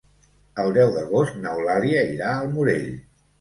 El deu d'agost n'Eulàlia irà al Morell.